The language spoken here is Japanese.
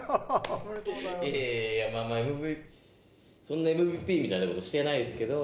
そんなＭＶＰみたいな事してないですけど。